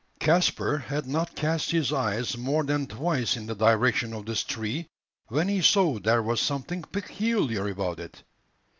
Caspar had not cast his eyes more than twice in the direction of this tree, when he saw there was something peculiar about it.